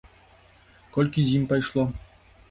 Колькі з ім пайшло?